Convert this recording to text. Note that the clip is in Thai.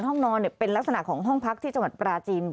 ห้องนอนเป็นลักษณะของห้องพักที่จังหวัดปราจีน